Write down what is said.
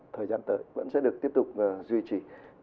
thời gian tới vẫn sẽ được tiếp tục duy trì